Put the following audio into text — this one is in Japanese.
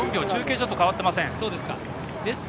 中継所と変わっていません。